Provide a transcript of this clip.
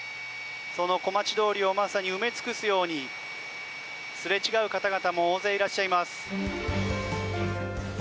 その小町通りをまさに埋め尽くすようにすれ違う方々も大勢いらっしゃいます。